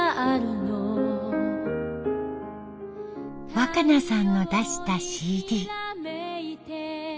若渚さんの出したＣＤ。